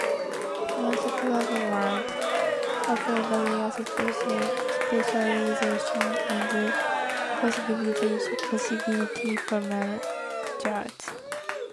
Most programmes offer various specialisations and possibilities for majors.